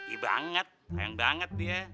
i banget sayang banget dia